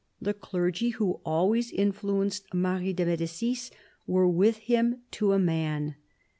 The clergy, who always influenced Marie de Medicis, were with him to a man.